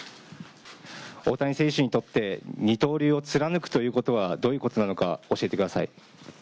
大谷選手にとって、二刀流を貫くというのはどういうことなのか教えてください。